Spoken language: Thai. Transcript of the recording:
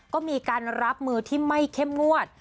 ก็มีการรับมือที่ไม่เข้มงวด